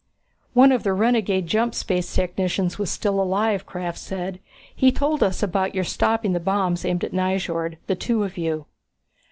"One of the renegade jump space technicians was still alive," Krafft said. "He told us about your stopping the bombs aimed at Nyjord, the two of you."